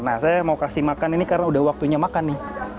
nah saya mau kasih makan ini karena udah waktunya makan nih